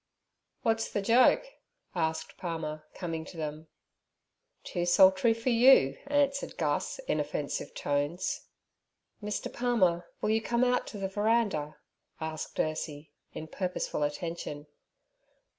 'What's the joke?' asked Palmer, coming to them. 'Too sultry for you' answered Gus, in offensive tones. 'Mr. Palmer, will you come out to the veranda?' asked Ursie, in purposeful attention.